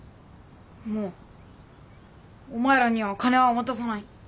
もうお前らには金は渡さない。